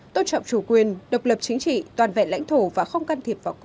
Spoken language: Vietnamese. tôn trọng chủ quyền độc lập chính trị toàn vẹn lãnh đạo